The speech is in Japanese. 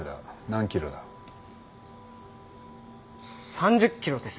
３０キロです。